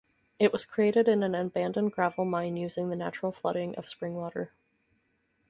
It was created in an abandoned gravel mine using the natural flooding of springwater.